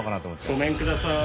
ごめんください。